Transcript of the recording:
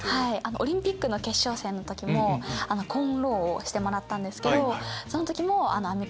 オリンピックの決勝戦の時もコーンロウをしてもらったんですけどその時も。